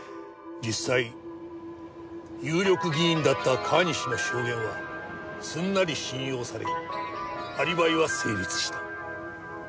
実際有力議員だった川西の証言はすんなり信用されアリバイは成立した。